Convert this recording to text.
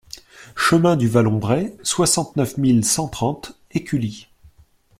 Chemin du Vallombrey, soixante-neuf mille cent trente Écully